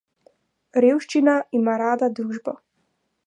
Revščina ima rada družbo.